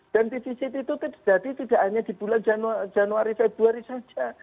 dan defisit itu terjadi tidak hanya di bulan januari februari saja